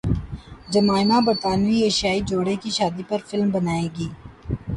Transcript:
Jemima برطانوی ایشیائی جوڑے کی شادی پر فلم بنائیں گی